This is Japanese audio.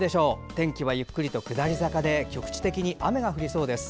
天気はゆっくりと下り坂で局地的に雨が降りそうです。